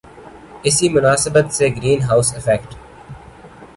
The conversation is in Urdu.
اسی مناسبت سے گرین ہاؤس ایفیکٹ